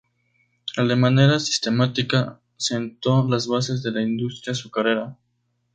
Él de manera sistemática, sentó las bases de la industria azucarera.